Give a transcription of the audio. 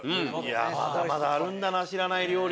まだまだあるんだ知らない料理。